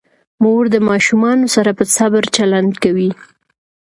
مور د ماشومانو سره په صبر چلند کوي.